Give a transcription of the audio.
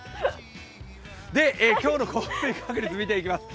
今日の降水確率見ていきます。